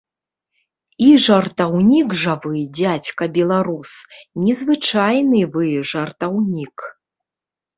І жартаўнік жа вы, дзядзька беларус, незвычайны вы жартаўнік!